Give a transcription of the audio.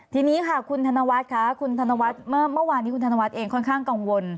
ทีนี้ค่ะคุณธนวัสซ์คุณธนวัสซ์เมื่อเมื่อวานี้คุณธนวัสซ์เองค่อนข้างกังวล